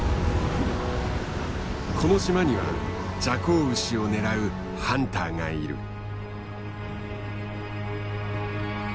この島にはジャコウウシを狙うハンターがいる。